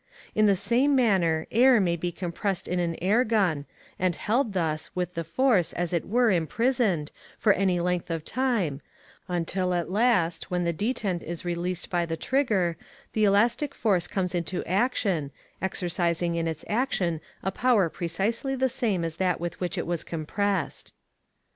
In the same manner air may be compressed in an air gun, and held thus, with the force, as it were, imprisoned, for any length of time, until at last, when the detent is released by the trigger, the elastic force comes into action, exercising in its action a power precisely the same as that with which it was compressed.